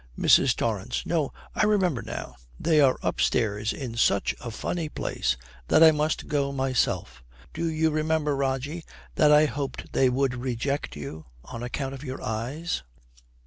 MRS. TORRANCE. 'No, I remember now. They are upstairs in such a funny place that I must go myself. Do you remember, Rogie, that I hoped they would reject you on account of your eyes?'